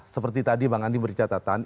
seperti tadi bang andi beri catatan